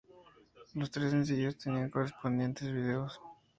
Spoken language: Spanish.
Los tres sencillos tenían correspondientes videos.